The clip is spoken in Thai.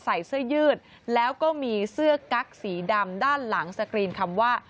ใส่เสื้อยืดแล้วก็มีเสื้อกั๊กสีดำด้านหลังสกรีนคำว่า